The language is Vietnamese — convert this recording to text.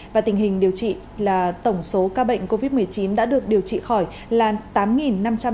và tình hình điều trị là tổng số ca bệnh covid một mươi chín đã được điều trị khỏi là tám năm trăm năm mươi bảy và số ca bệnh tử vong là một trăm linh năm ca